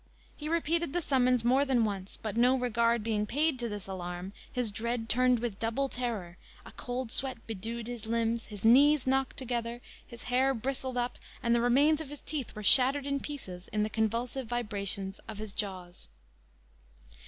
He repeated the summons more than once; but no regard being paid to this alarm, his dread returned with double terror, a cold sweat bedewed his limbs, his knees knocked together, his hair bristled up, and the remains of his teeth were shattered in pieces in the convulsive vibrations of his jaws.